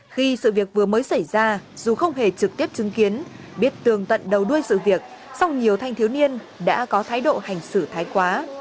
khi sự việc vừa mới xảy ra dù không hề trực tiếp chứng kiến biết tường tận đầu đuôi sự việc song nhiều thanh thiếu niên đã có thái độ hành xử thái quá